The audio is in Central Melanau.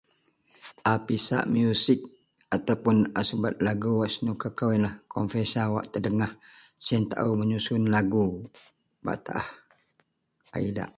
A pisak musik atau puon a subet lagu wak senuka kou iyenlah composer terdengah siyen tao menyusun lagu bak taah a idak.